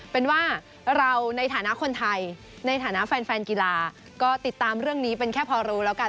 เป็นว่าเราในฐานะคนไทยในฐานะแฟนกีฬาก็ติดตามเรื่องนี้เป็นแค่พอรู้แล้วกัน